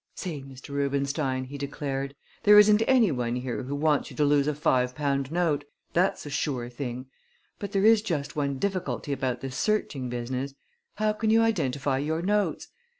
"Say, Mr. Rubenstein," he declared, "there isn't any one here who wants you to lose a five pound note that's a sure thing! But there is just one difficulty about this searching business: How can you identify your notes?